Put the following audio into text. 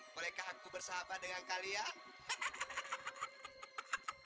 mereka aku bersahabat dengan kalian